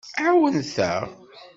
Ɛawnent-aɣ.